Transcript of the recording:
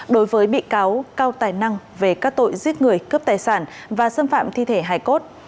đối với bị cáo cao tài năng về các tội giết người cướp tài sản và xâm phạm thi thể hải cốt